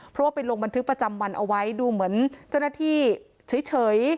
เพราะว่าไปลงบันทึกประจำวันเอาไว้ดูเหมือนเจ้าหน้าที่เฉย